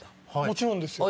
もちろんですよ。